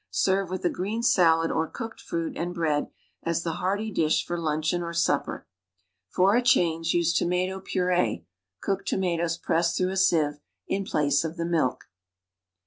Serve with a green salad or cooked fruit and bread as the hearty dish for lunch eon or supper. For a change use tomato puree (cooked tomatoes pressed through a sieve) in place of the milk.